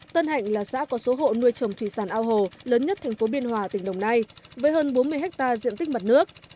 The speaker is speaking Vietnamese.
tân hạnh là xã có số hộ nuôi trồng thủy sản ao hồ lớn nhất thành phố biên hòa tỉnh đồng nai với hơn bốn mươi hectare diện tích mặt nước